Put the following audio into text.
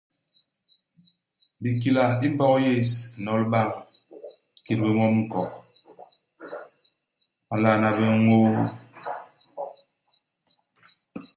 Bikila i Mbog yés. U n'nol bañ. Ba nkit bé mom u nkok. Ba nlalna bé ñôô.